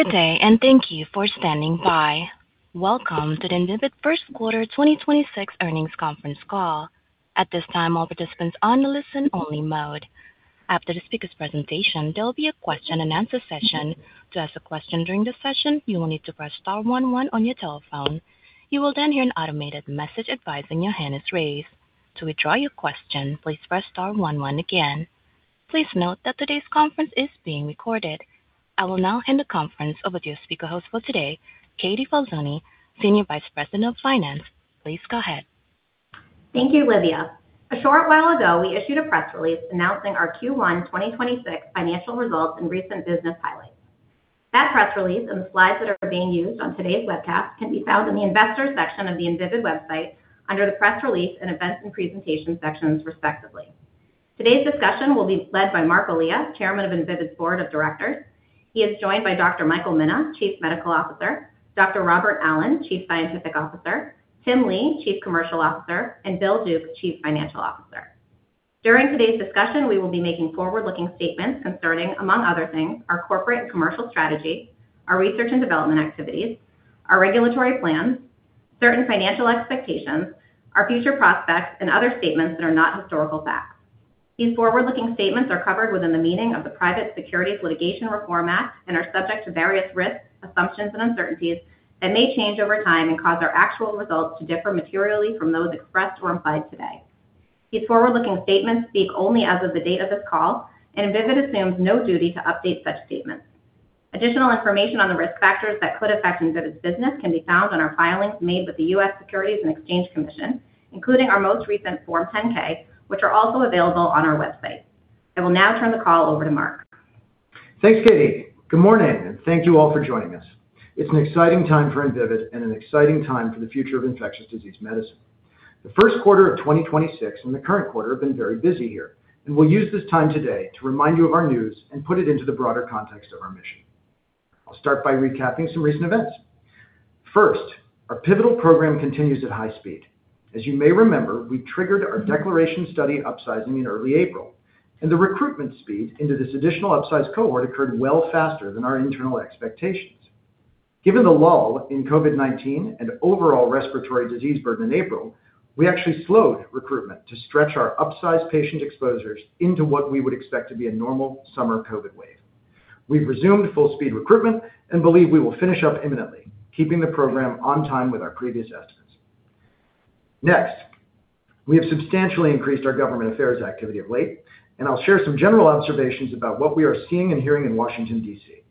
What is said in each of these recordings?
Good day, and thank you for standing by. Welcome to the Invivyd First Quarter 2026 Earnings Conference Call. At this time, all participants on listen only mode. After the speaker's presentation, there'll be a question-and-answer session. To ask a question during the session, you will need to press star one one on your telephone. You will then hear an automated message advising your hand is raised. To withdraw your question, please press star one one again. Please note that today's conference is being recorded. I will now hand the conference over to your speaker host for today, Katie Falzone, Senior Vice President of Finance. Please go ahead. Thank you, Livia. A short while ago, we issued a press release announcing our Q1 2026 financial results, and recent business highlights. That press release, and the slides that are being used on today's webcast can be found in the Investor Section of the Invivyd website. Under the Press Release, and Events, and Presentation sections, respectively. Today's discussion will be led by Marc Elia, Chairman of Invivyd Board of Directors. He is joined by Dr. Michael Mina, Chief Medical Officer, Dr. Robert Allen, Chief Scientific Officer. Tim Lee, Chief Commercial Officer, and Bill Duke, Chief Financial Officer. During today's discussion, we will be making forward-looking statements concerning, among other things. Our corporate, and commercial strategy, our research and development activities, our regulatory plans, certain financial expectations. Our future prospects, and other statements that are not historical facts. These forward-looking statements are covered within the meaning of the Private Securities Litigation Reform Act, and are subject to various risks, assumptions, and uncertainties. That may change over time, and cause our actual results. To differ materially from those expressed or implied today. These forward-looking statements speak only as of the date of this call, and Invivyd assumes no duty to update such statements. Additional information on the risk factors, that could affect Invivyd business. Can be found on our filings made with the U.S. Securities and Exchange Commission. Including our most recent Form 10-K, which are also available on our website. I will now turn the call over to Marc. Thanks, Katie. Good morning, and thank you all for joining us. It's an exciting time for Invivyd, and an exciting time for the future of infectious disease medicine. The first quarter of 2026, and the current quarter have been very busy here. And we'll use this time today to remind you of our news, and put it into the broader context of our mission. I'll start by recapping some recent events. First, our pivotal program continues at high speed. As you may remember, we triggered our DECLARATION study upsizing in early April. And the recruitment speed into this additional upsized cohort, occurred well faster than our internal expectations. Given the lull in COVID-19, and overall respiratory disease burden in April. We actually slowed recruitment, to stretch our upsized patient exposures. Into what we would expect to be a normal summer COVID wave. We've resumed full speed recruitment, and believe we will finish up imminently. Keeping the program on time with our previous estimates. Next, we have substantially increased our government affairs activity of late, and I'll share some general observations. About what we are seeing, and hearing in Washington, D.C.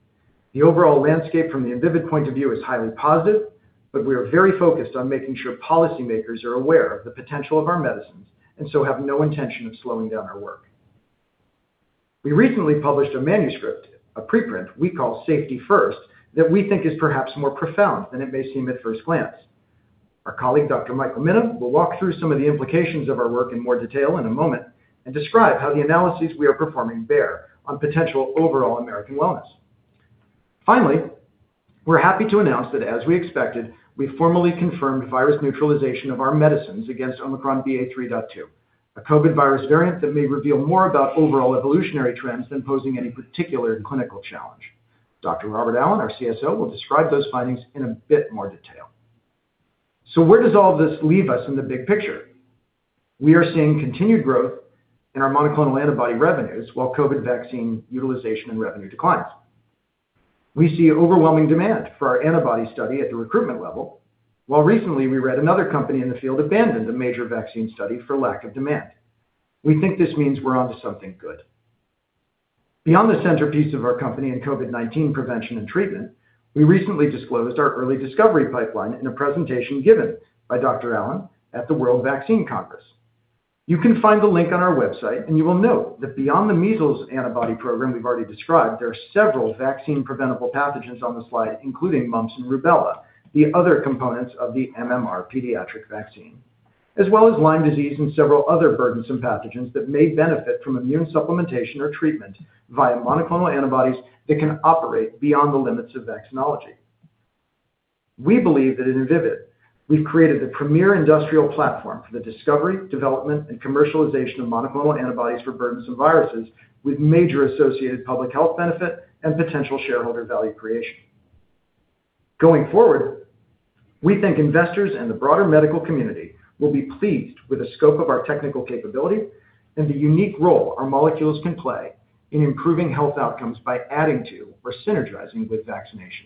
The overall landscape from the Invivyd point of view is highly positive. But we are very focused on making sure policymakers are aware of the potential of our medicines. And so have no intention of slowing down our work. We recently published a manuscript, a preprint we call Safety First. That we think is perhaps more profound than it may seem at first glance. Our colleague, Dr. Michael Mina, will walk through some of the implications of our work in more detail in a moment. And describe how the analyses we are performing bear, on potential overall American wellness. Finally, we're happy to announce that, as we expected. We formally confirmed virus neutralization of our medicines against Omicron BA.3.2. A COVID virus variant that may reveal more about overall evolutionary trends, than posing any particular clinical challenge. Dr. Robert Allen, our CSO, will describe those findings in a bit more detail. Where does all this leave us in the big picture? We are seeing continued growth in our monoclonal antibody revenues while COVID vaccine utilization, and revenue declines. We see overwhelming demand for our antibody study at the recruitment level. While recently we read another company in the field abandoned a major vaccine study for lack of demand. We think this means we're onto something good. Beyond the centerpiece of our company in COVID-19 prevention, and treatment. We recently disclosed our early discovery pipeline in a presentation given by Dr. Allen at the World Vaccine Congress. You can find the link on our website, you will note that beyond the measles antibody program we've already described. There are several vaccine-preventable pathogens on the slide. Including mumps and rubella, the other components of the MMR pediatric vaccine. As well as Lyme disease, and several other burdensome pathogens. That may benefit from immune supplementation or treatment via monoclonal antibodies. That can operate beyond the limits of vaccinology. We believe that at Invivyd, we've created the premier industrial platform. For the discovery, development, and commercialization of monoclonal antibodies for burdensome viruses. With major associated public health benefit, and potential shareholder value creation. Going forward, we think investors, and the broader medical community. Will be pleased with the scope of our technical capability, and the unique role. Our molecules can play in improving health outcomes, by adding to or synergizing with vaccination.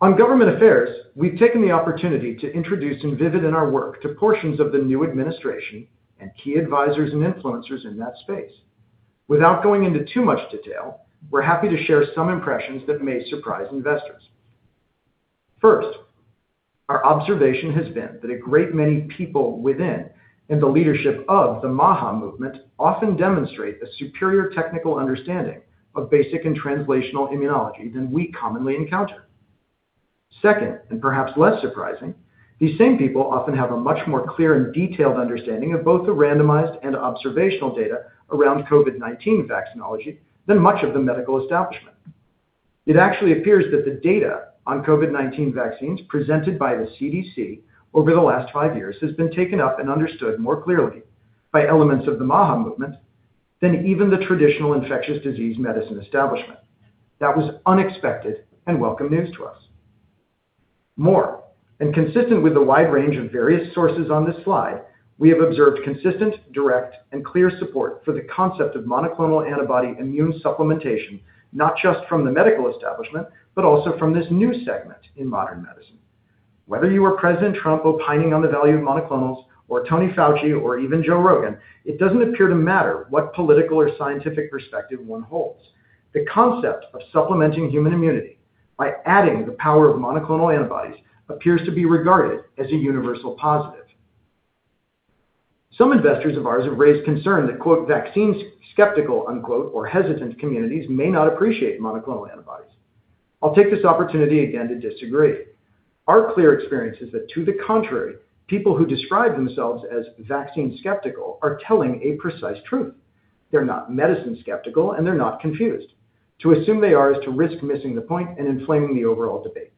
On government affairs, we've taken the opportunity to introduce Invivyd in our work to portions of the new administration. And key advisors, and influencers in that space. Without going into too much detail, we're happy to share some impressions that may surprise investors. First, our observation has been that a great many people within, and the leadership of the MAHA movement. Often demonstrate a superior technical understanding of basic, and translational immunology than we commonly encounter. Second, and perhaps less surprising, these same people often have a much more clear, and detailed understanding. Of both the randomized, and observational data around COVID-19 vaccinology than much of the medical establishment. It actually appears that the data on COVID-19 vaccines. Presented by the CDC over the last five years has been taken up, and understood more clearly. By elements of the MAHA movement, than even the traditional infectious disease medicine establishment. That was unexpected, and welcome news to us. More, consistent with the wide range of various sources on this slide. We have observed consistent, direct, and clear support for the concept of monoclonal antibody immune supplementation. Not just from the medical establishment, but also from this new segment in modern medicine. Whether you are President Trump opining on the value of monoclonals, or Anthony Fauci or even Joe Rogan. It doesn't appear to matter what political or scientific perspective one holds. The concept of supplementing human immunity, by adding the power of monoclonal antibodies appears to be regarded as a universal positive. Some investors of ours have raised concern that, quote, vaccine-skeptical, unquote. Or hesitant communities may not appreciate monoclonal antibodies. I'll take this opportunity again to disagree. Our clear experience is that to the contrary. People who describe themselves, as vaccine-skeptical are telling a precise truth. They're not medicine-skeptical, and they're not confused. To assume they are is to risk missing the point, and inflaming the overall debate.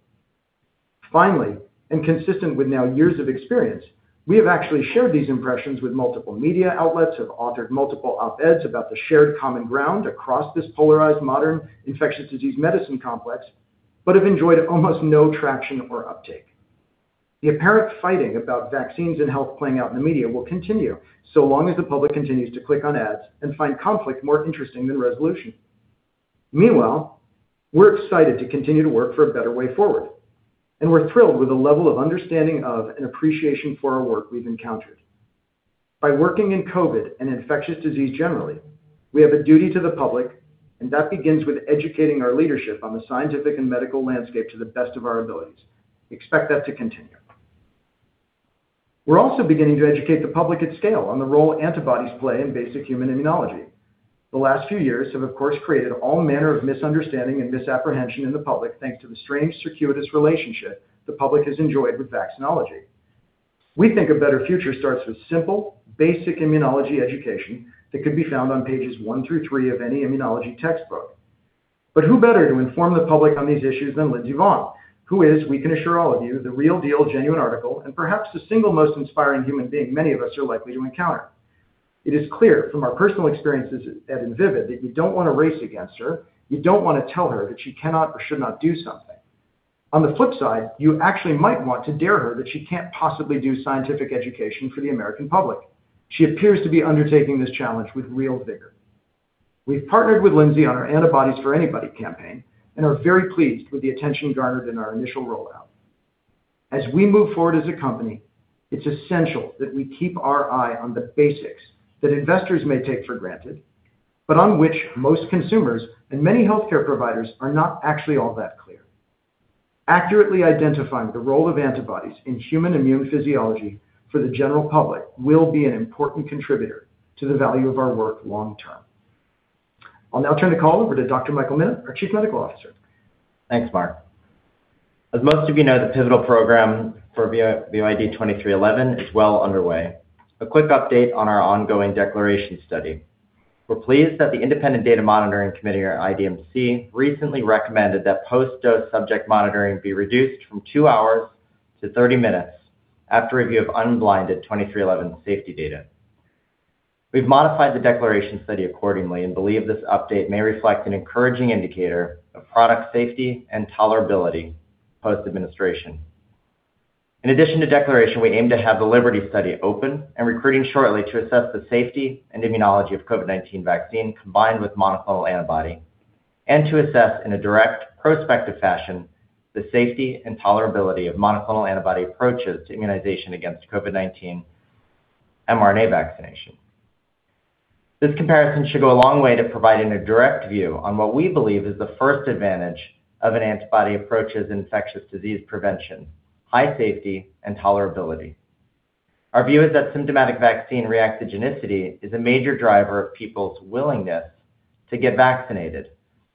Finally, consistent with now years of experience. We have actually shared these impressions with multiple media outlets. Have authored multiple op-eds about the shared common ground. Across this polarized modern infectious disease medicine complex. But have enjoyed almost no traction or uptake. The apparent fighting about vaccines, and health playing out in the media will continue. So long as the public continues to click on ads, and find conflict more interesting than resolution. Meanwhile, we're excited to continue to work for a better way forward. We're thrilled with the level of understanding of, and appreciation for our work we've encountered. By working in COVID-19, and infectious disease generally, we have a duty to the public. That begins with educating our leadership on the scientific, and medical landscape to the best of our abilities. Expect that to continue. We're also beginning to educate the public at scale, on the role antibodies play in basic human immunology. The last few years have, of course, created all manner of misunderstanding, and misapprehension in the public. Thanks to the strange circuitous relationship, the public has enjoyed with vaccinology. We think a better future starts with simple, basic immunology education. That could be found on pages one through three of any immunology textbooks. Who better to inform the public on these issues than Lindsey Vonn. Who is, we can assure all of you, the real deal genuine article. And perhaps the single most inspiring human being many of us are likely to encounter. It is clear from our personal experiences at Invivyd, that you don't want to race against her. You don't want to tell her that she cannot or should not do something. On the flip side, you actually might want to dare her, that she can't possibly do scientific education for the American public. She appears to be undertaking this challenge with real vigor. We've partnered with Lindsey on our Antibodies for Any Body campaign, and are very pleased with the attention garnered in our initial rollout. As we move forward as a company, it's essential that we keep our eye on the basics. That investors may take for granted, but on which most consumers. And many healthcare providers are not actually all that clear. Accurately identifying the role of antibodies in human immune physiology for the general public. Will be an important contributor to the value of our work long term. I'll now turn the call over to Dr. Michael Mina, our Chief Medical Officer. Thanks, Marc. As most of you know, the pivotal program for VYD2311 is well underway. A quick update on our ongoing DECLARATION study. We are pleased that the Independent Data Monitoring Committee, or IDMC. Recently recommended that post-dose subject monitoring be reduced from two hours to 30 minutes. After review of unblinded VYD2311 safety data. We have modified the DECLARATION study accordingly, and believe this update may reflect an encouraging indicator. Of product safety, and tolerability post-administration. In addition to DECLARATION, we aim to have the LIBERTY study open, and recruiting shortly. To assess the safety, and immunology of COVID-19 vaccine combined with monoclonal antibody. And to assess in a direct, prospective fashion the safety, and tolerability of monoclonal antibody. Approaches to immunization against COVID-19 mRNA vaccination. This comparison should go a long way to providing a direct view on. What we believe is the first advantage of an antibody approach is infectious disease prevention, high safety and tolerability. Our view is that symptomatic vaccine reactogenicity, is a major driver of people's willingness. To get vaccinated,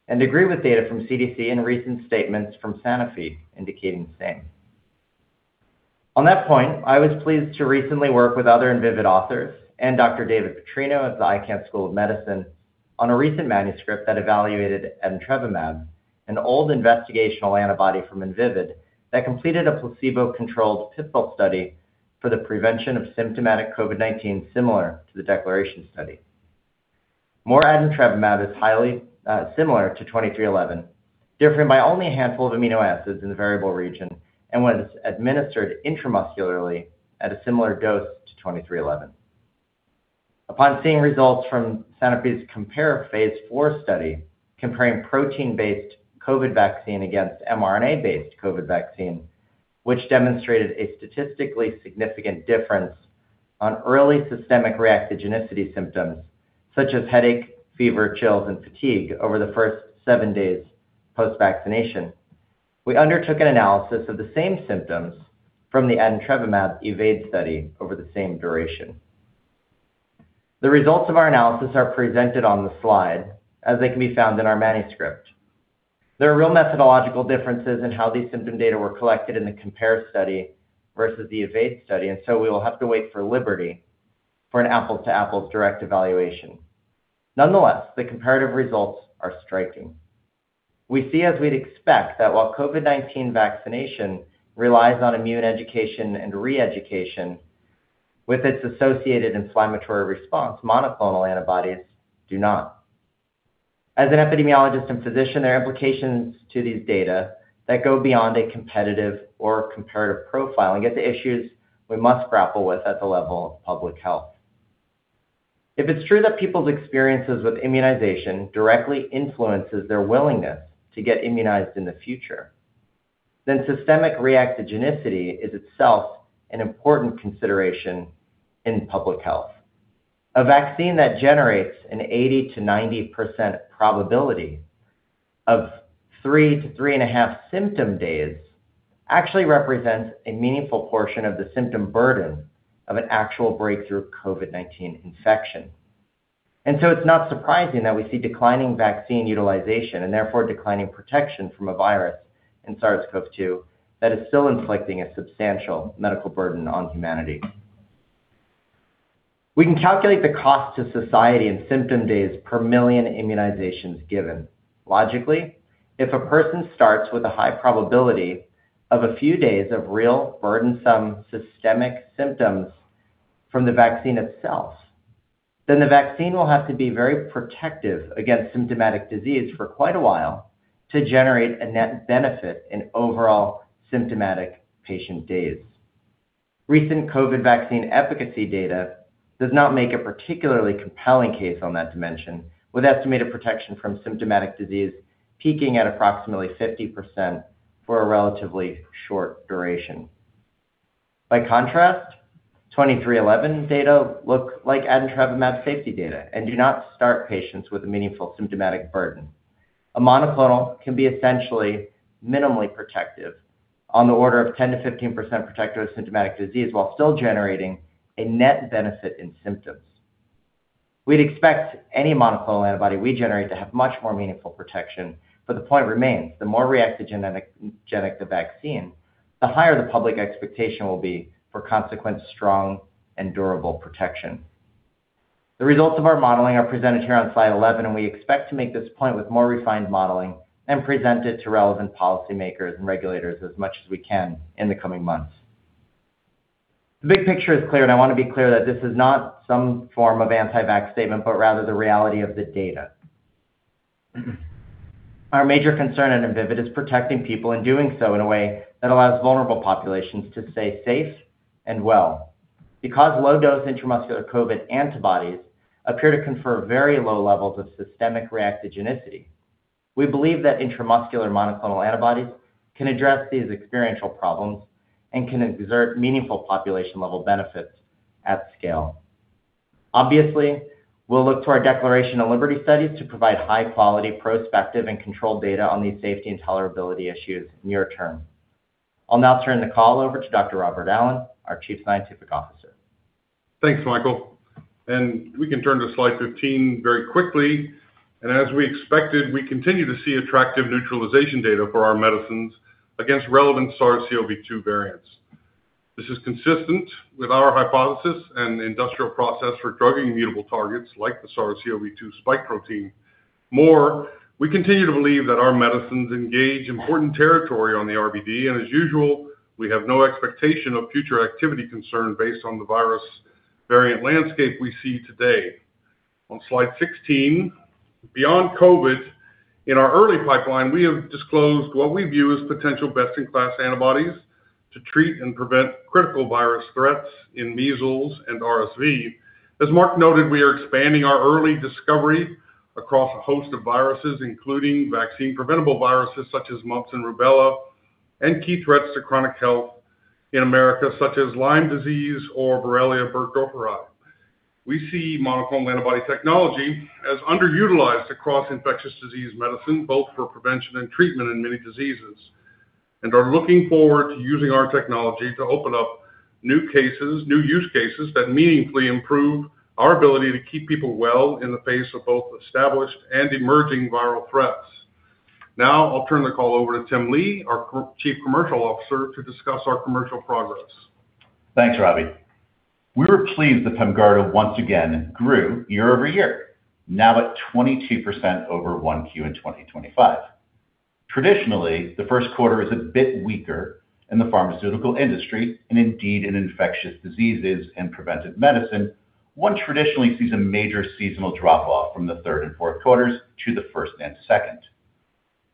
and agree with data from CDC. And recent statements from Sanofi indicating the same. On that point, I was pleased to recently work with other Invivyd authors. And Dr. David Putrino of the Icahn School of Medicine at Mount Sinai, on a recent manuscript that evaluated adintrevimab. An old investigational antibody from Invivyd, that completed a placebo-controlled pivotal study. For the prevention of symptomatic COVID-19, similar to the DECLARATION study. Adintrevimab is highly similar to VYD2311, differing by only a handful of amino acids in the variable region. And was administered intramuscularly at a similar dose to VYD2311. Upon seeing results from Sanofi's COMPARE Phase IV study, comparing protein-based COVID-19 vaccine. Against mRNA-based COVID-19 vaccine. Which demonstrated a statistically significant difference, on early systemic reactogenicity symptoms. Such as headache, fever, chills, and fatigue over the first seven days post-vaccination. We undertook an analysis of the same symptoms from the adintrevimab EVADE study over the same duration. The results of our analysis are presented on the slide, as they can be found in our manuscript. There are real methodological differences in how these symptom data were collected in the COMPARE study, versus the EVADE study. And so, we will have to wait for LIBERTY for an apples-to-apples direct evaluation. Nonetheless, the comparative results are striking. We see as we'd expect that while COVID-19 vaccination, relies on immune education and re-education. With its associated inflammatory response, monoclonal antibodies do not. As an epidemiologist and physician, there are implications to these data. That go beyond a competitive or comparative profile, and get to issues. We must grapple with at the level of public health. If it's true that people's experiences with immunization, directly influences their willingness to get immunized in the future. Then systemic reactogenicity is itself, an important consideration in public health. A vaccine that generates an 80%-90% probability of three to 3.5 symptom days. Actually, represents a meaningful portion of the symptom burden, of an actual breakthrough COVID-19 infection. It's not surprising that we see declining vaccine utilization, and therefore declining protection from a virus in SARS-CoV-2. That is still inflicting a substantial medical burden on humanity. We can calculate the cost to society in symptom days per million immunizations given. Logically, if a person starts with a high probability, of a few days of real burdensome systemic symptoms from the vaccine itself. Then the vaccine will have to be very protective against symptomatic disease for quite a while. To generate a net benefit in overall symptomatic patient days. Recent COVID vaccine efficacy data, does not make a particularly compelling case on that dimension. With estimated protection from symptomatic disease peaking at approximately 50% for a relatively short duration. By contrast, VYD2311 data look like adintrevimab safety data, and do not start patients with a meaningful symptomatic burden. A monoclonal can be essentially minimally protective on the order of 10%-15% protective of symptomatic disease. While still generating a net benefit in symptoms. We'd expect any monoclonal antibody we generate, to have much more meaningful protection. But the point remains, the more reactogenic the vaccine. The higher the public expectation will be for consequent strong, and durable protection. The results of our modeling are presented here on slide 11. We expect to make this point with more refined modeling, and present it to relevant policymakers. And regulators as much as we can in the coming months. The big picture is clear, I want to be clear that. This is not some form of anti-vax statement, but rather the reality of the data. Our major concern at Invivyd is protecting people, and doing so in a way. That allows vulnerable populations to stay safe, and well. Because low-dose intramuscular COVID antibodies, appear to confer very low levels of systemic reactogenicity. We believe that intramuscular monoclonal antibodies can address these experiential problems. And can exert meaningful population-level benefits at scale. Obviously, we'll look to our DECLARATION of LIBERTY studies. To provide high-quality prospective, and controlled data. On these safety, and tolerability issues near term. I'll now turn the call over to Dr. Robert Allen, our Chief Scientific Officer. Thanks, Michael. We can turn to slide 15 very quickly. As we expected, we continue to see attractive neutralization data for our medicines against relevant SARS-CoV-2 variants. This is consistent with our hypothesis, and industrial process for drugging immutable targets like the SARS-CoV-2 spike protein. More, we continue to believe that our medicines engage important territory on the RBD. And as usual, we have no expectation of future activity concern based on the virus variant landscape we see today. On slide 16, beyond COVID-19, in our early pipeline, we have disclosed. What we view as potential best-in-class antibodies to treat, and prevent critical virus threats in measles, and RSV. As Marc noted, we are expanding our early discovery across a host of viruses. Including vaccine-preventable viruses such as mumps, and rubella. And key threats to chronic health in America, such as Lyme disease or Borrelia burgdorferi. We see monoclonal antibody technology, as underutilized across infectious disease medicine. Both for prevention, and treatment in many diseases. And are looking forward to using our technology to open up new cases. New use cases that meaningfully improve our ability to keep people well. In the face of both established, and emerging viral threats. I'll turn the call over to Lee, our Chief Commercial Officer, to discuss our commercial progress. Thanks, Robbie. We were pleased that PEMGARDA once again grew year-over-year, now at 22% over 1Q in 2025. Traditionally, the first quarter is a bit weaker in the pharmaceutical industry. And indeed in infectious diseases, and preventive medicine. One traditionally sees a major seasonal drop-off from the third, and fourth quarters to the first and second.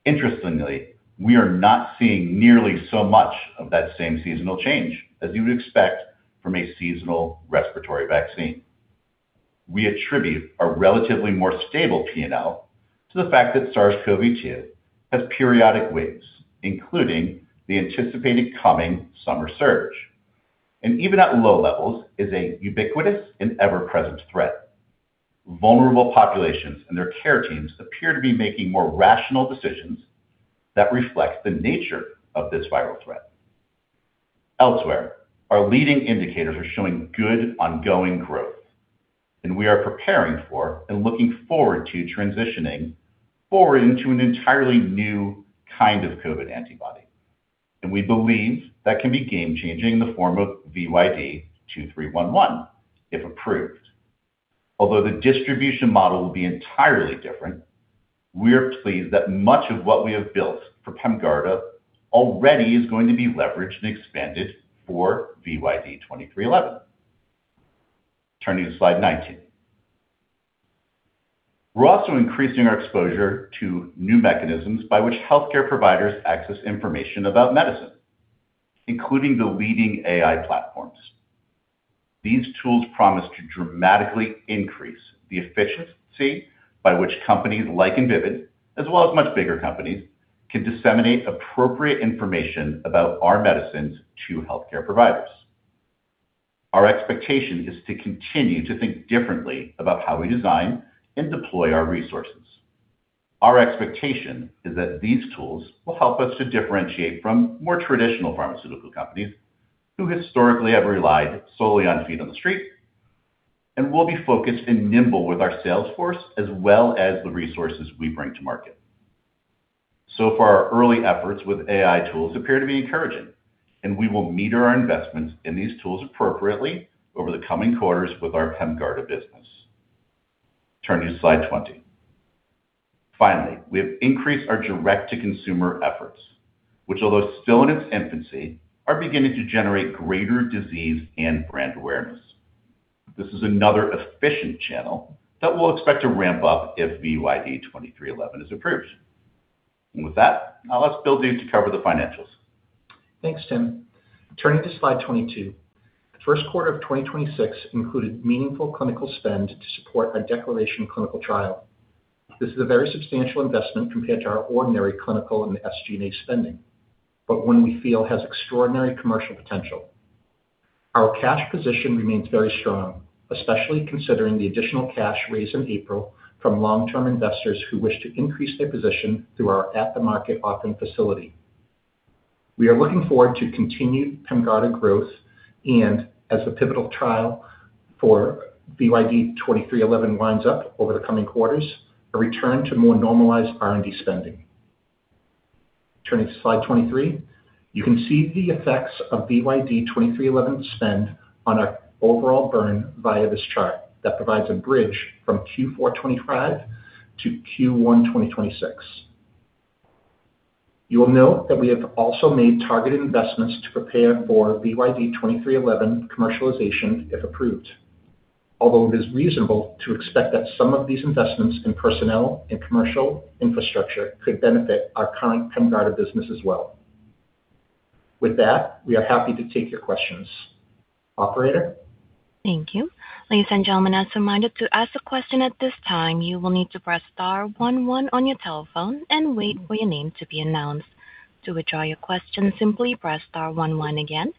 Interestingly, we are not seeing nearly so much of that same seasonal change. As you would expect from a seasonal respiratory vaccine. We attribute our relatively more stable P&L, to the fact that SARS-CoV-2. Has periodic waves, including the anticipated coming summer surge, and even at low levels. Is a ubiquitous, and ever-present threat. Vulnerable populations, and their care teams appear to be making more rational decisions. That reflect the nature of this viral threat. Elsewhere, our leading indicators are showing good ongoing growth. We are preparing for, and looking forward to transitioning. Forward into an entirely new kind of COVID antibody. We believe that can be game changing in the form of VYD2311 if approved. Although the distribution model will be entirely different. We are pleased that much of what we have built for PEMGARDA, already is going to be leveraged and expanded for VYD2311. Turning to slide 19. We are also increasing our exposure to new mechanisms. By which healthcare providers access information about medicine. Including the leading AI platforms. These tools promise to dramatically increase the efficiency. By which companies like Invivyd, as well as much bigger companies. Can disseminate appropriate information about our medicines to healthcare providers. Our expectation is to continue to think differently about how we design, and deploy our resources. Our expectation is that these tools will help us, to differentiate from more traditional pharmaceutical companies. Who historically have relied solely on feet on the street. We'll be focused, and nimble with our sales force. As well as the resources we bring to market. So far, our early efforts with AI tools appear to be encouraging, and we will meter our investments in these tools appropriately. Over the coming quarters with our PEMGARDA business. Turning to slide 20. Finally, we have increased our direct-to-consumer efforts. Which, although still in its infancy, are beginning to generate greater disease, and brand awareness. This is another efficient channel, that we'll expect to ramp up if VYD2311 is approved. With that, I'll ask Bill Duke to cover the financials. Thanks, Tim. Turning to slide 22. The first quarter of 2026 included, meaningful clinical spends to support our DECLARATION clinical trial. This is a very substantial investment compared to our ordinary clinical, and SG&A spending. One we feel has extraordinary commercial potential. Our cash position remains very strong, especially considering the additional cash raised in April. From long-term investors who wish to increase their position. Through our at the market offering facility. We are looking forward to continued PEMGARDA growth, and as the pivotal trial for VYD2311. Winds up over the coming quarters, a return to more normalized R&D spending. Turning to slide 23. You can see the effects of VYD2311 spend, on our overall burn via this chart. That provides a bridge from Q4 2025-Q1 2026. You will note that we have also made targeted investments, to prepare for VYD2311 commercialization if approved. Although it is reasonable to expect that some of these investments in personnel. And commercial infrastructure could benefit our current PEMGARDA business as well. With that, we are happy to take your questions. Operator? Thank you. Ladies and gentlemen, as a reminder, to ask a question at this time. You will need to press star one one on your telephon, and wait for your name to be announced. To withdraw your question, simply press star one one again.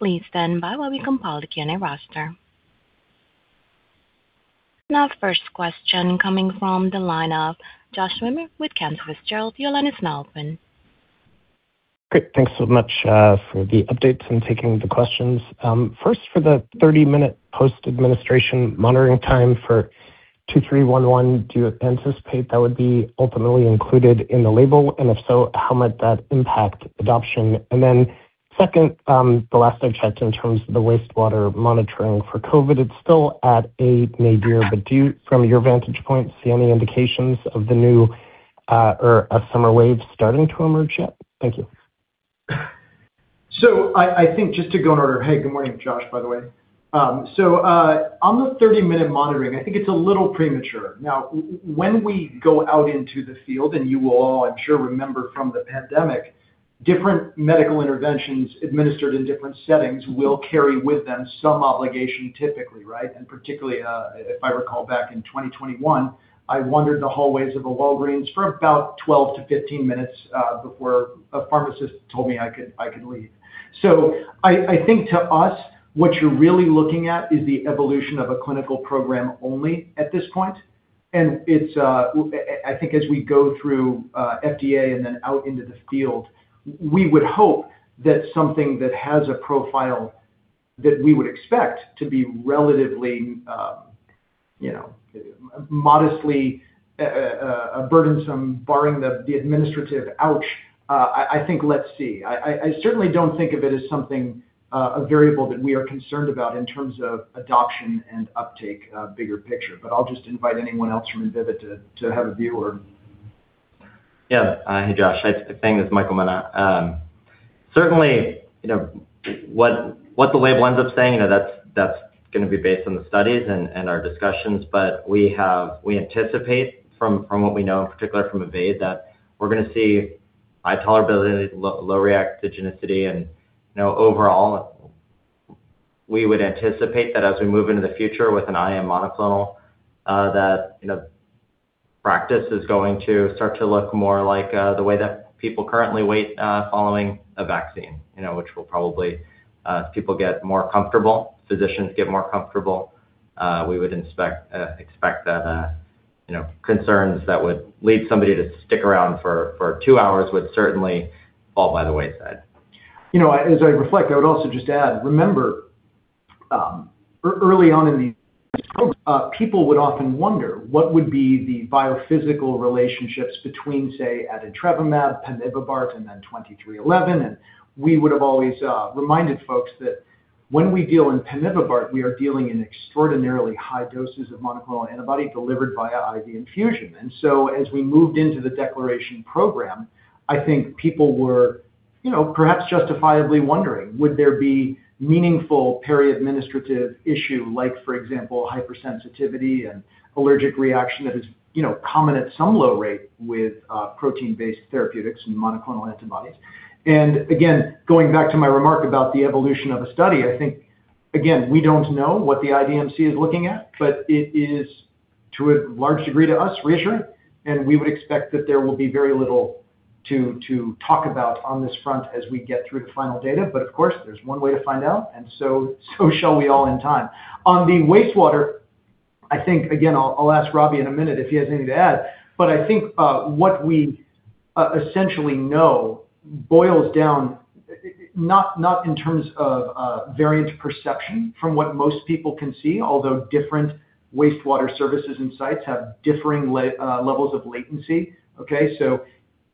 Please stand by while we compile the Q&A roster. Our first question coming from the line of Josh Schimmer with Cantor Fitzgerald. Your line is now open. Great. Thanks so much for the updates, and taking the questions. First for the 30-minute post administration monitoring time for VYD2311. Do you anticipate that would be ultimately included in the label? If so, how might that impact adoption? Second, the last I checked in terms of the wastewater monitoring for COVID, it's still at a nadir. But do you from your vantage point, see any indications of the new or a summer wave starting to emerge yet? Thank you. I think just to go in order. Hey, good morning, Josh, by the way. On the 30-minute monitoring, I think it's a little premature. When we go out into the field, and you will all. I'm sure, remember from the pandemic, different medical interventions administered in different settings. Will carry with them some obligation, typically, right? Particularly, if I recall back in 2021, I wandered the hallways of a Walgreens for about 12-15 minutes. Before a pharmacist told me I could leave. I think to us, which really looking at is the evolution of a clinical program only at this point. It's, I think as we go through FDA, and then out into the field. We would hope that something that has a profile. That we would expect to be relatively, you know, modestly burdensome barring the administrative ouch. I think, let's see. I certainly don't think of it as something, a variable that we are concerned about. In terms of adoption, and uptake bigger picture. I'll just invite anyone else from Invivyd to have a view or. Yeah. Hey, Josh. I think that's Michael Mina. Certainly, you know, what the wave winds up saying. You know, that's going to be based on the studies, and our discussions. We anticipate from what we know, in particular from EVADE. That we're going to see high tolerability, low reactogenicity. You know, overall, we would anticipate, that as we move into the future with an IM monoclonal. That, you know, practice is going to start to look more like the way, that people currently wait following a vaccine. You know, which will probably, as people get more comfortable. Physicians get more comfortable, we would expect that, you know, concerns. That would lead somebody to stick around for two hours would certainly fall by the wayside. You know, as I reflect, I would also just add, remember early on in. The people would often wonder what would be the biophysical relationships between, say adintrevimab, pemivibart, and then VYD2311. We would have always reminded folks, that when we deal in pemivibart. We are dealing in extraordinarily high doses of monoclonal antibody delivered via IV infusion. As we moved into the DECLARATION program. I think people were, you know, perhaps justifiably wondering. Would there be meaningful peri-administrative issue like for example hypersensitivity, and allergic reaction. That is, you know, common at some low rate with protein-based therapeutics, and monoclonal antibodies. Again, going back to my remark about the evolution of a study. I think again, we don't know what the IDMC is looking at. But it is to a large degree to us reassuring, and we would expect that there will be very little. To talk about on this front, as we get through the final data. Of course, there's one way to find out, and so shall we all in time. On the wastewater, I think again, I'll ask Robbie in a minute if he has anything to add. But I think what we essentially know boils down not in terms of variant perception. From what most people can see, although different wastewater services, and sites have differing levels of latency. Okay.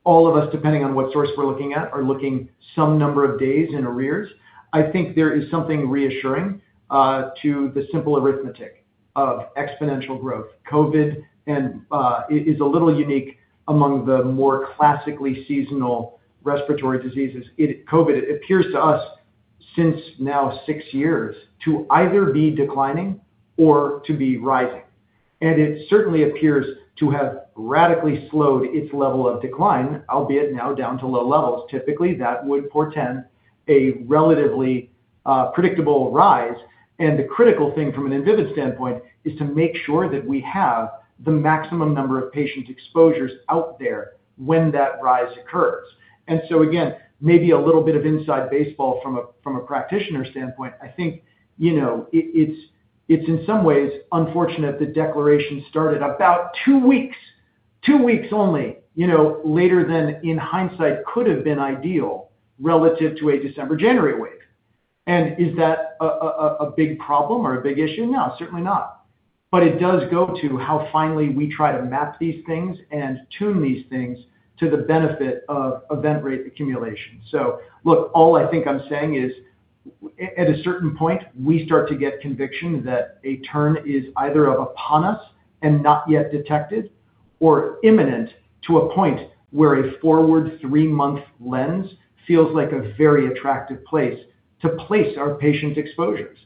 All of us, depending on what source we're looking at, are looking some number of days in arrears. I think there is something reassuring, to the simple arithmetic of exponential growth. COVID is a little unique among the more classically seasonal respiratory diseases. COVID, it appears to us since now six years. To either be declining or to be rising. And it certainly appears to have radically slowed its level of decline. Albeit now down to low levels. Typically, that would portend a relatively predictable rise. The critical thing from an Invivyd standpoint, is to make sure that we have. The maximum number of patient exposures out there, when that rise occurs. Again, maybe a little bit of inside baseball from a practitioner standpoint. I think, you know, it's, it's in some ways unfortunate the DECLARATION started about two weeks only. You know, later than in hindsight could have been ideal relative to a December-January wave. Is that a, a big problem or a big issue? No, certainly not. It does go to how finally we try to map these things, and tune these things. To the benefit of event rate accumulation. Look, all I think I'm saying is at a certain point, we start to get conviction. That a turn is either of upon us, and not yet detected. Or imminent to a point where a forward three-month lens. Feels like a very attractive place, to place our patient exposures.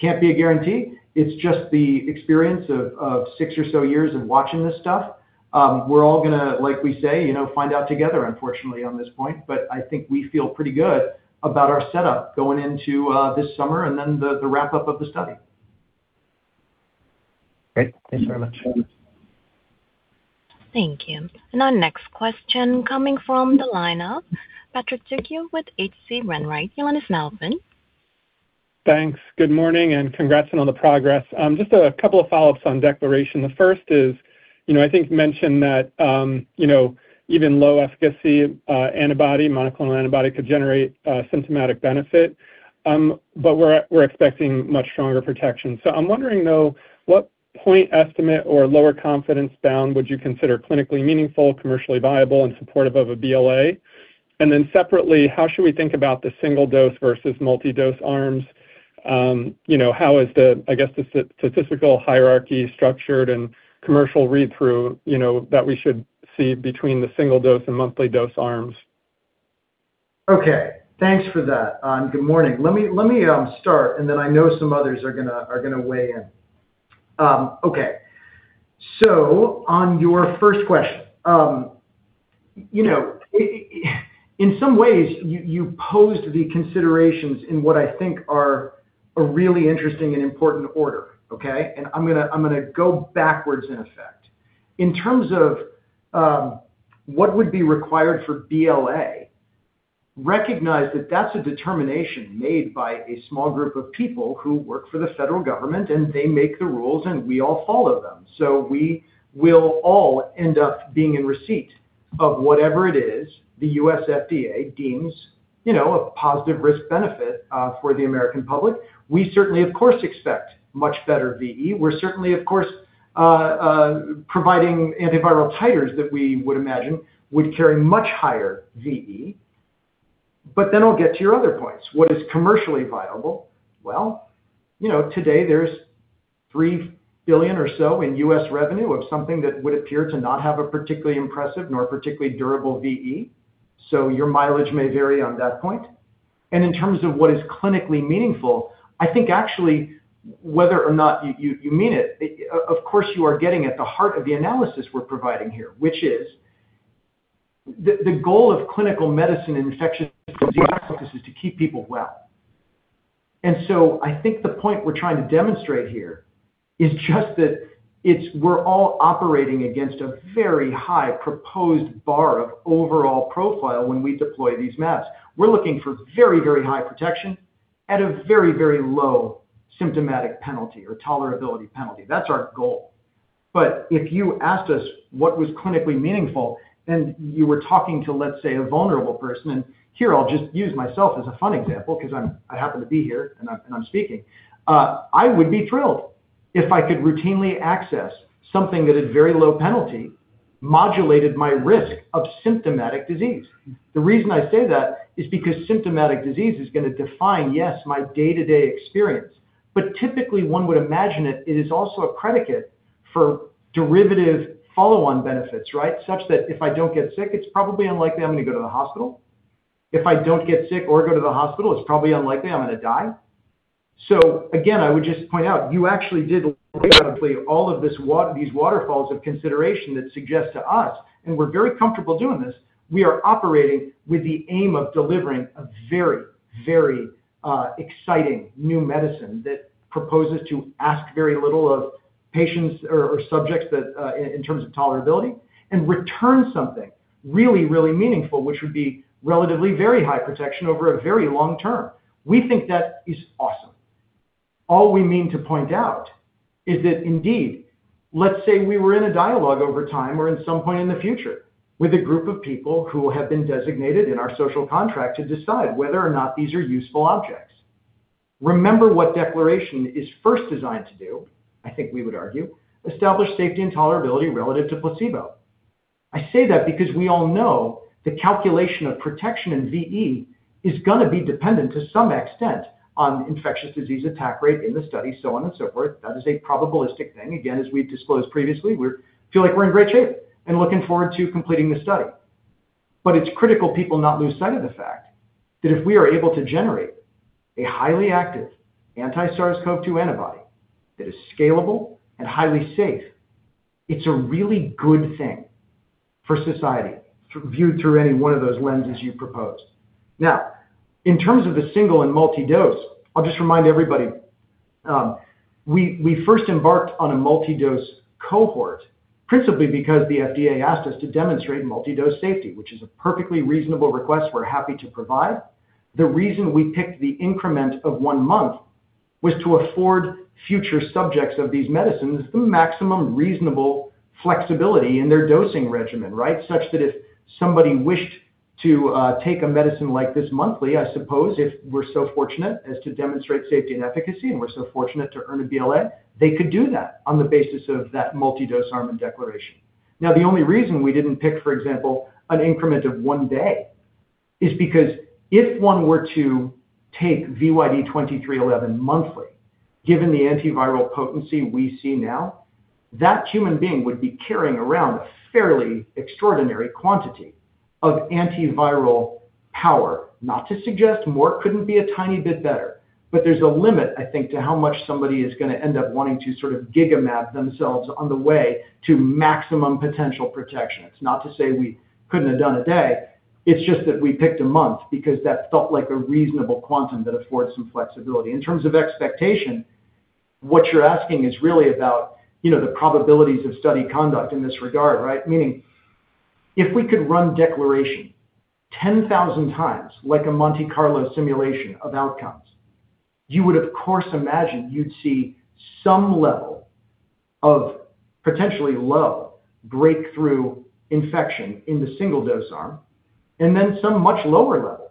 Can't be a guarantee. It's just the experience of six or so years of watching this stuff. We're all gonna, like we say, you know, find out together unfortunately on this point. I think we feel pretty good about our setup going into this summer, and then the wrap up of the study. Great. Thanks very much. Thank you. Our next question coming from the line of Patrick Trucchio with H.C. Wainwright. Your line is now open. Thanks. Good morning, and congrats on all the progress. Just a couple of follow-ups on DECLARATION. The first is, you know, I think you mentioned that. You know, even low efficacy antibody, monoclonal antibody could generate symptomatic benefit. We're expecting much stronger protection,. I'm wondering, though. What point estimate or lower confidence bound would you consider clinically meaningful, commercially viable, and supportive of a BLA? Separately, how should we think about the single-dose versus multi-dose arms? You know, how is the, I guess, the statistical hierarchy structured, and commercial read-through, you know, that we should see between the single-dose, and monthly dose arms? Okay. Thanks for that. Good morning. Let me, let me start, and then I know some others are gonna, are gonna weigh in. Okay. On your first question, you know, in some ways you posed the considerations. In what I think are a really interesting, and important order, okay? I'm gonna, I'm gonna go backwards in effect. In terms of, what would be required for BLA? Recognize that that's a determination made by a small group of people. Who work for the federal government, and they make the rules, and we all follow them. We will all end up being in receipt, of whatever it is the U.S. FDA deems. You know, a positive risk-benefit for the American public. We certainly, of course, expect much better VE. We're certainly, of course, providing antiviral titers. That we would imagine would carry much higher VE. I'll get to your other points. What is commercially viable? Well, you know, today there's $3 billion or so in U.S. revenue. Of something that would appear, to not have a particularly impressive nor a particularly durable VE. So your mileage may vary on that point. In terms of what is clinically meaningful, I think actually. Whether or not you mean it, of course you are getting at the heart of the analysis we're providing here. Which is the goal of clinical medicine, and infectious disease practice is to keep people well. I think the point we're trying to demonstrate here. Is just that it's we're all operating against a very high proposed bar, of overall profile when we deploy these mAbs. We're looking for very, very high protection. At a very, very low symptomatic penalty or tolerability penalty. That's our goal. If you asked us what was clinically meaningful, and you were talking to. Let's say, a vulnerable person, and here I'll just use myself as a fun example. Because I happen to be here, and I'm speaking. I would be thrilled if I could routinely access something, that at very low penalty. Modulated my risk of symptomatic disease. The reason I say that is, because symptomatic disease is gonna define, yes, my day-to-day experience. Typically one would imagine it is also a predicate, for derivative follow-on benefits, right? Such that if I don't get sick, it's probably unlikely I'm gonna go to the hospital. If I don't get sick or go to the hospital, it's probably unlikely I'm gonna die. Again, I would just point out, you actually did all of this. These waterfalls of consideration that suggest to us, and we're very comfortable doing this. We are operating with the aim of delivering a very exciting new medicine. That proposes to ask very little of patients or subjects. That in terms of tolerability, and return something really meaningful. Which would be relatively very high protection over a very long term. We think that is awesome. All we mean to point out is that indeed, let's say we were in a dialogue over time or at some point in the future. With a group of people who have been designated in our social contract. To decide whether or not these are useful objects. Remember what DECLARATION is first designed to do. I think we would argue, establish safety, and tolerability relative to placebo. I say that because we all know the calculation of protection in VE. Is gonna be dependent to some extent on infectious disease attack rate in the study, so on and so forth. That is a probabilistic thing. Again, as we've disclosed previously, we feel like we're in great shape. And looking forward to completing this study. It's critical people not lose sight of the fact, that if we are able to generate. A highly active anti-SARS-CoV-2 antibody, that is scalable and highly safe. It's a really good thing for society viewed through any one of those lenses you proposed. Now, in terms of the single, and multi-dose, I'll just remind everybody. We first embarked on a multi-dose cohort principally. Because the FDA asked us to demonstrate multi-dose safety. Which is a perfectly reasonable request we're happy to provide. The reason we picked the increment of one month, was to afford future subjects of these medicines. The maximum reasonable flexibility in their dosing regimen, right? Such that if somebody wished to take a medicine like this monthly. I suppose if we're so fortunate as to demonstrate safety, and efficacy, and we're so fortunate to earn a BLA. They could do that on the basis of that multi-dose arm in DECLARATION. The only reason we didn't pick, for example, an increment of one day. Is because if one were to take VYD2311 monthly, given the antiviral potency we see now. That human being would be carrying around a fairly extraordinary quantity of antiviral power. Not to suggest more couldn't be a tiny bit better, there's a limit. I think, to how much somebody is going to end up wanting to sort of giga-MAB themselves on the way, to maximum potential protection. It's not to say we couldn't have done a day, it's just that we picked a month. Because that felt like a reasonable quantum that affords some flexibility. In terms of expectation, what you're asking is really about, you know, the probabilities of study conduct in this regard, right? Meaning if we could run DECLARATION 10,000 times, like a Monte Carlo simulation of outcomes. You would of course imagine you'd see some level of potentially low. Breakthrough infection in the single-dose arm, and then some much lower level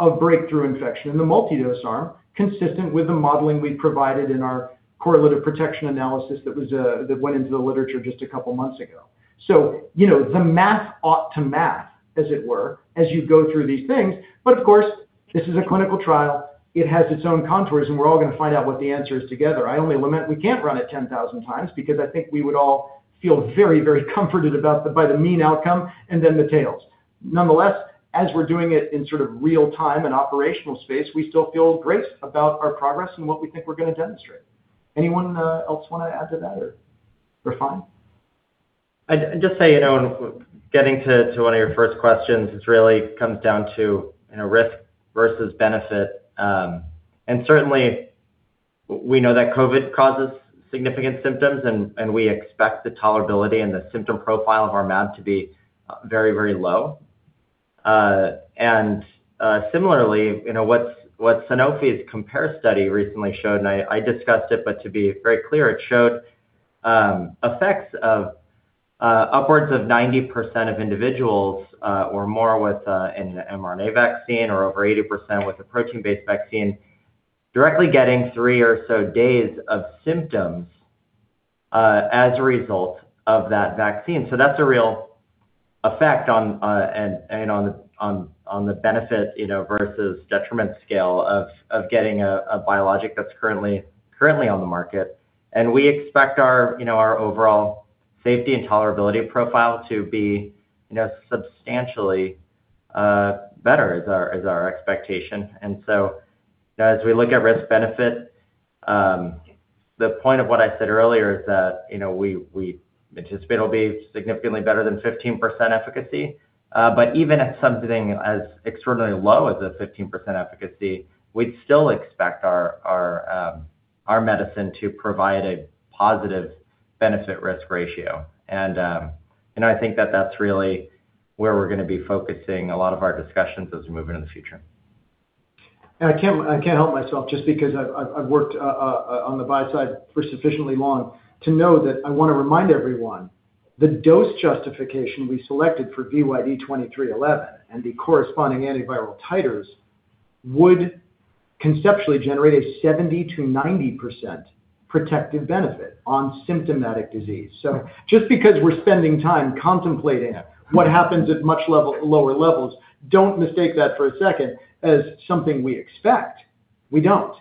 of breakthrough infection in the multi-dose arm. Consistent with the modeling we provided in our correlative protection analysis. That went into the literature just a couple months ago. You know, the math ought to math, as it were, as you go through these things. Of course, this is a clinical trial. It has its own contours, and we're all gonna find out what the answer is together. I only lament we can't run it 10,000 times. Because I think we would all feel very, very comforted by the mean outcome, and then the tails. Nonetheless, as we're doing it in sort of real time, and operational space. We still feel great about our progress, and what we think we're gonna demonstrate. Anyone else want to add to that or we're fine? I'd just say, you know, in getting to one of your first questions. This really comes down to, you know, risk versus benefit. Certainly we know that COVID causes significant symptoms, and we expect the tolerability. And the symptom profile of our mAb to be very, very low. Similarly, you know, what Sanofi's COMPARE study recently showed, and I discussed it. But to be very clear, it showed effects of upwards of 90% of individuals or more with an mRNA vaccine. Or over 80% with a protein-based vaccine directly getting three or so days of symptoms, as a result of that vaccine. That's a real effect on, and on the benefit, you know, versus detriment scale of getting a biologic that's currently on the market. We expect our overall safety, and tolerability profile. To be substantially better is our expectation. As we look at risk-benefit, the point of what I said earlier is that. We anticipate it'll be significantly better than 15% efficacy. Even at something as extraordinarily low as a 15% efficacy. We'd still expect our medicine, to provide a positive benefit risk ratio. I think that that's really, where we're gonna be focusing a lot of our discussions as we move into the future. I can't help myself just because I've worked on the buy side. For sufficiently long, to know that I want to remind everyone. The dose justification we selected for VYD2311, and the corresponding antiviral titers. Would conceptually generate a 70%-90%, protective benefit on symptomatic disease. Just because we're spending time contemplating it. What happens at much lower levels, don't mistake that for a second as something we expect. We don't.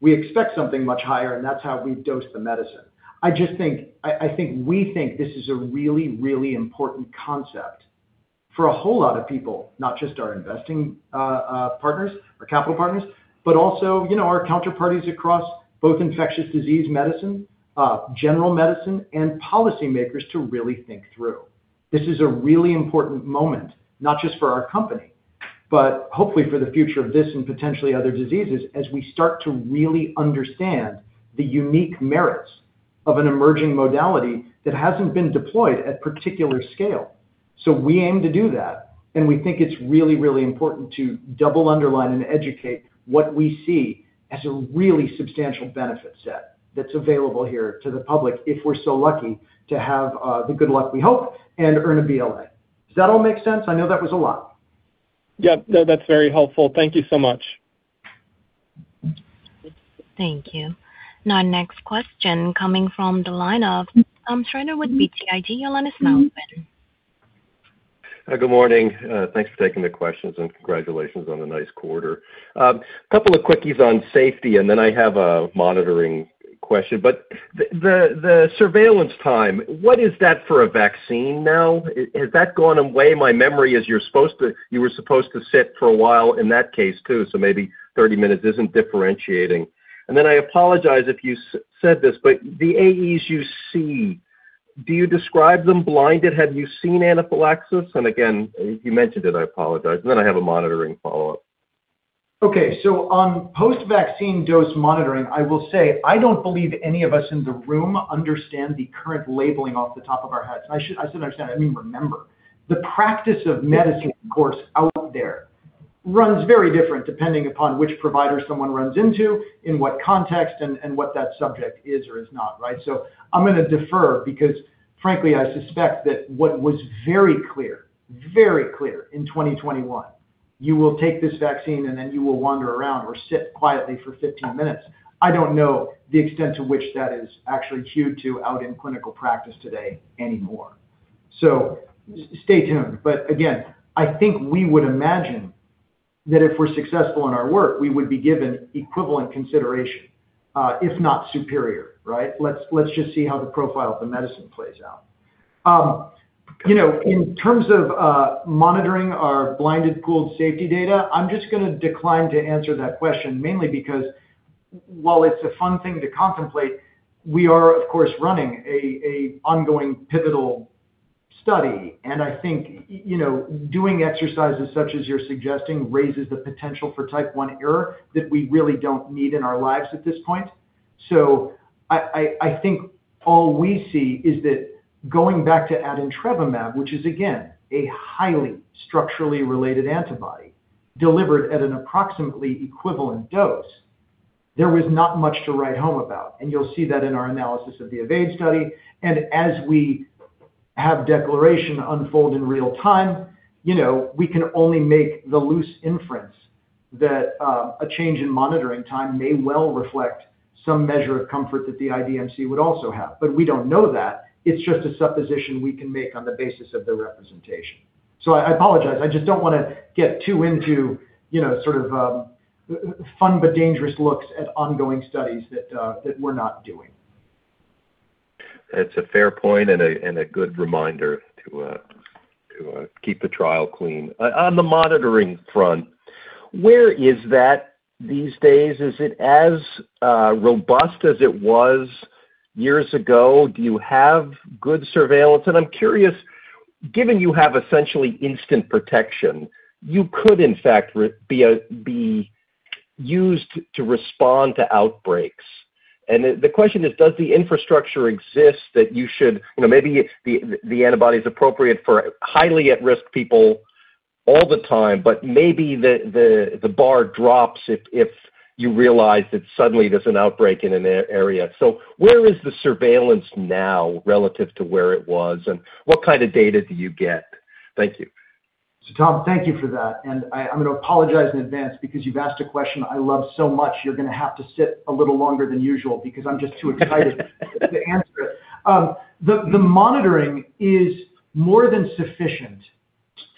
We expect something much higher, and that's how we dose the medicine. I think we think this is a really important concept for a whole lot of people. Not just our investing partners or capital partners. But also, you know, our counterparties across both infectious disease medicine, general medicine, and policymakers to really think through. This is a really important moment, not just for our company. But hopefully for the future of this, and potentially other diseases. As we start to really understand the unique merits, of an emerging modality. That hasn't been deployed at particular scale. We aim to do that, and we think it's really, really important to double underline. And educate what we see as a really substantial benefit set that's available here to the public. If we're so lucky to have the good luck we hope, and earn a BLA. Does that all make sense? I know that was a lot. Yep. No, that's very helpful. Thank you so much. Thank you. Now our next question coming from the line of Shrader with BTIG. Your line is now open. Good morning. Thanks for taking the questions, and congratulations on a nice quarter. Couple of quickies on safety, then I have a monitoring question. The surveillance time, what is that for a vaccine now? Has that gone away? My memory is you were supposed to sit for a while, in that case too, so maybe 30 minutes isn't differentiating. I apologize if you said this, but the AEs you see. Do you describe them blinded? Have you seen anaphylaxis? If you mentioned it, I apologize. I have a monitoring follow-up. On post-vaccine dose monitoring, I will say I don't believe any of us in the room. Understand the current labeling off the top of our heads. I shouldn't understand. I mean, remember. The practice of medicine, of course, out there. Runs very different depending upon, which provider someone runs into. In what context, and what that subject is or is not, right? I'm gonna defer because frankly, I suspect that what was very clear in 2021. You will take this vaccine, and then you will wander around or sit quietly for 15 minutes. I don't know the extent to, which that is actually queued to out in clinical practice today anymore. Stay tuned. Again, I think we would imagine, that if we're successful in our work. We would be given equivalent consideration, if not superior, right? Let's just see how the profile of the medicine plays out. You know, in terms of monitoring our blinded pooled safety data. I'm just going to decline to answer that question. Mainly, Because while it's a fun thing to contemplate. We are of course, running a ongoing pivotal study. I think, you know, doing exercises such as you're suggesting raises the potential for type one error. That we really don't need in our lives at this point. I think all we see is that going back to adintrevimab, which is again. A highly structurally related antibody, delivered at an approximately equivalent dose. There was not much to write home about. You'll see that in our analysis of the EVADE study. As we have DECLARATION unfold in real time. We can only make the loose inference. That a change in monitoring time, may well reflect some measure of comfort that the IDMC would also have. We don't know that. It's just a supposition, we can make on the basis of their representation. I apologize. I just don't wanna get too into fun, but dangerous looks at ongoing studies that we're not doing. It's a fair point, and a good reminder to keep the trial clean. On the monitoring front, where is that these days? Is it as robust as it was years ago? Do you have good surveillance? I'm curious, given you have essentially instant protection, you could in fact be used to respond to outbreaks. The question is, does the infrastructure exist that you know, maybe the antibody is appropriate for highly at-risk people all the time. But maybe the bar drops if you realize, that suddenly there's an outbreak in an area. Where is the surveillance now relative to where it was? And what kind of data do you get? Thank you. Tom, thank you for that. And I'm gonna apologize in advance, because you've asked a question I love so much. You're gonna have to sit a little longer than usual, because I'm just too excited to answer it. The monitoring is more than sufficient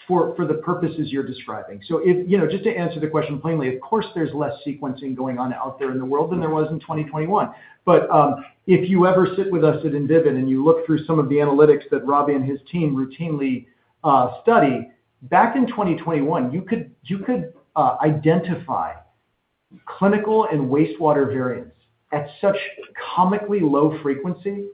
for the purposes you're describing. You know, just to answer the question plainly, of course there's less sequencing going on out there in the world, than there was in 2021. If you ever sit with us at Invivyd, and you look through some of the analytics. That Robbie, and his team routinely study, back in 2021. You could identify clinical, and wastewater variants at such comically low frequency.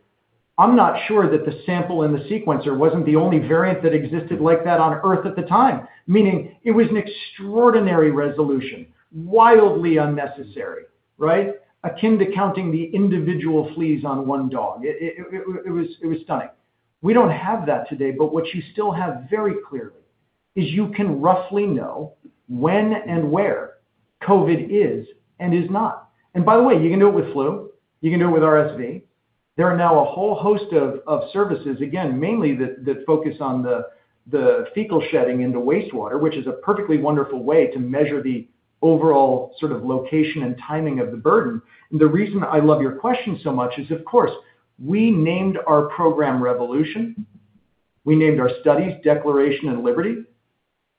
I'm not sure that the sample in the sequencer wasn't the only variant. That existed like that on Earth at the time, meaning it was an extraordinary resolution, wildly unnecessary, right? Akin to counting the individual fleas on one dog. It was stunning. What you still have very clearly, is you can roughly know when, and where COVID is, and is not? By the way, you can do it with flu, you can do it with RSV. There are now a whole host of services, again, mainly that focus on the fecal shedding into wastewater. Which is a perfectly wonderful way, to measure the overall sort of location, and timing of the burden. The reason I love your question so much is, of course. We named our program REVOLUTION, we named our studies DECLARATION and LIBERTY.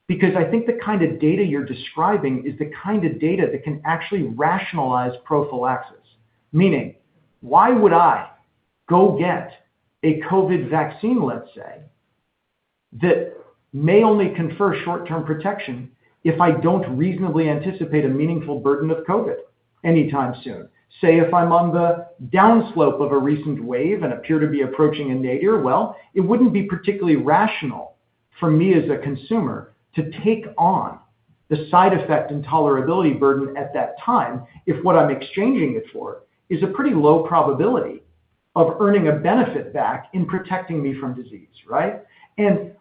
Because I think the kind of data you're describing, is the kind of data that can actually rationalize prophylaxis. Meaning, why would I go get a COVID vaccine, let's say? That may only confer short-term protection, if I don't reasonably anticipate a meaningful burden of COVID anytime soon. Say, if I'm on the downslope of a recent wave, and appear to be approaching a nadir, well. It wouldn't be particularly rational for me as a consumer. To take on the side effect, and tolerability burden at that time. If what I'm exchanging it for is a pretty low probability, of earning a benefit back in protecting me from disease, right?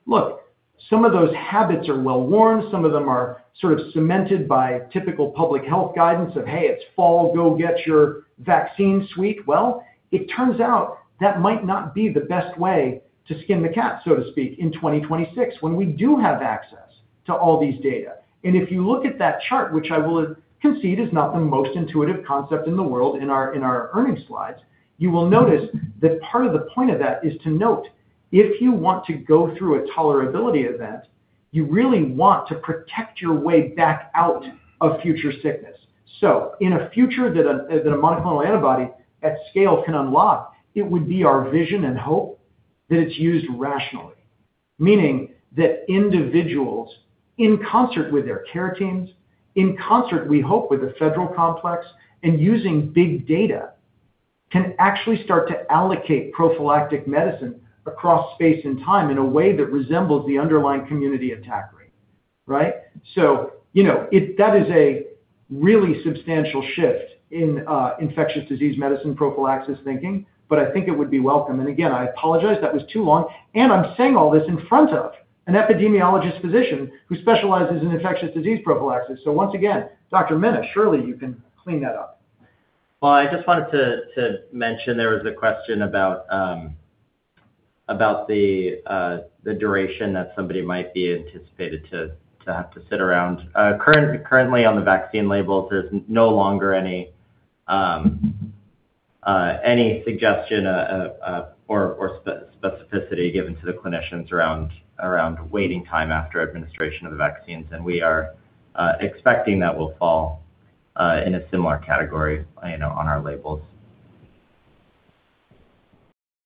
Look, some of those habits are well worn. Some of them are sort of cemented by, typical public health guidance of, "Hey, it's fall, go get your vaccine suite." It turns out that might not be the best way to skin the cat, so to speak, in 2026. When we do have access to all these data. If you look at that chart, which I will concede is not the most intuitive concept in the world in our earnings slides. You will notice that part of the point of that is to note, if you want to go through a tolerability event. You really want to protect your way back out of future sickness. In a future that a monoclonal antibody at scale can unlock. It would be our vision, and hope that it's used rationally. Meaning that individuals, in concert with their care teams. In concert, we hope, with the federal complex, and using big data. Can actually start to allocate prophylactic medicine across space, and time. In a way that resembles the underlying community attack rate, right. You know, that is a really substantial shift, in infectious disease medicine prophylaxis thinking. But I think it would be welcome. Again, I apologize that was too long, and I'm saying all this in front of an epidemiologist physician. Who specializes in infectious disease prophylaxis. Once again, Dr. Mina, surely you can clean that up. Well, I just wanted to mention there was a question about. About the duration that somebody might be anticipated to have to sit around. Currently on the vaccine labels, there's no longer any, any suggestion. Or specificity given to the clinicians around waiting time after administration of the vaccines. We are expecting that will fall in a similar category, you know, on our labels.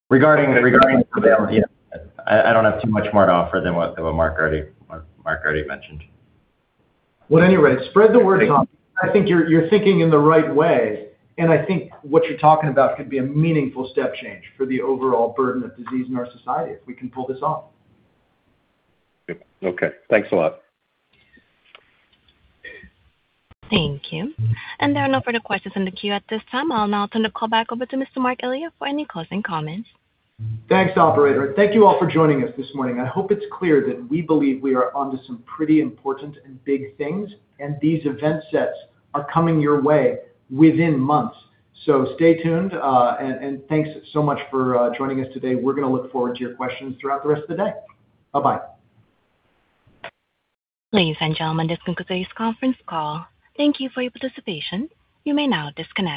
Regarding the I don't have too much more to offer, than what Marc already mentioned. Well, at any rate, spread the word Tom. I think you're thinking in the right way, and I think what you're talking about. Could be a meaningful step change for the overall burden of disease in our society, if we can pull this off. Okay. Thanks a lot. Thank you. There are no further questions in the queue at this time. I'll now turn the call back over to Mr. Marc Elia for any closing comments. Thanks, operator. Thank you all for joining us this morning. I hope it's clear, that we believe we are onto some pretty important, and big things. And these event sets are coming your way within months. Stay tuned. Thanks so much for joining us today. We're gonna look forward to your questions throughout the rest of the day. Bye-bye. Ladies and gentlemen, this concludes today's conference call. Thank you for your participation. You may now disconnect.